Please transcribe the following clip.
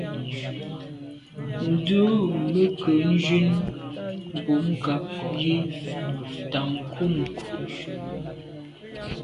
Ndù me ke jun mbumngab yi t’a kum nkù.